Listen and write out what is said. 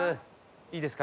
いいですか？